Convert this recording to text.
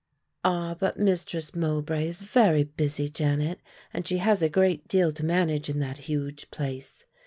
"Ah, but Mistress Mowbray is very busy, Janet, she has a great deal to manage in that huge place.